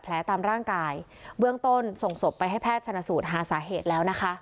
ตามร่างกายเบื้องต้นส่งศพไปให้แพทย์ชนสูตรหาสาเหตุแล้วนะคะ